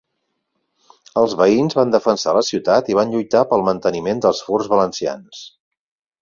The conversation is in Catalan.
Els veïns van defensar la ciutat i van lluitar pel manteniment dels furs valencians.